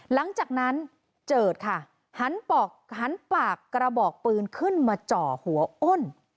หลังจากนั้นเจิดค่ะหันปากกระบอกปืนขึ้นมาเจาะหัวอ้น